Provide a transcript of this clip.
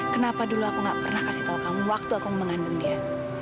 kenapa dulu aku gak pernah kasih tahu kamu waktu aku mengandung dia